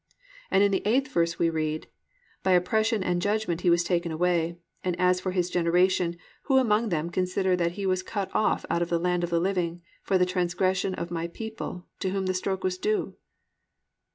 "+ And in the eighth verse we read, +"By oppression and judgment He was taken away; and as for His generation, who among them considered that He was cut off out of the land of the living for the transgression of my people to whom the stroke was due?"